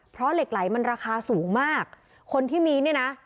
เพราะเหล็กไหลมันราคาสูงมากคนที่มีเนี่ยนะ